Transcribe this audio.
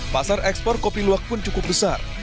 pasar ekspor kopi luwak pun cukup besar